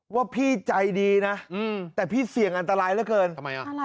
ว่าพี่ใจดีนะแต่พี่เสี่ยงอันตรายแล้วเกิน